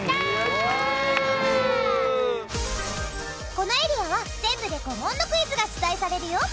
このエリアは全部で５問のクイズが出題されるよ。